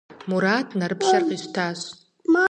Мурат нэрыплъэр къищтащ.